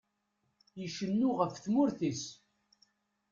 Icennu ɣef tmurt-is.